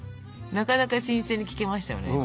なかなか新鮮に聞けましたよね。